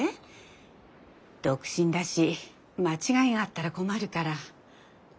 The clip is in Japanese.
独身だし間違いがあったら困るから。